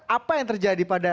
apa yang terjadi pada